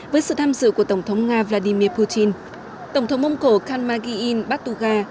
với sự tham dự của tổng thống nga vladimir putin tổng thống mông cổ khan magi in batuga